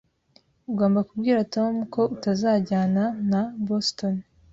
Ugomba kubwira Tom ko utazajyana na Boston